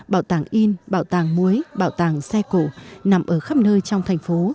bảo tàng in bảo tàng muối bảo tàng xe cổ nằm ở khắp nơi trong thành phố